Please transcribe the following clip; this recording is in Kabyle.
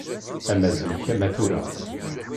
Ama zik ama tura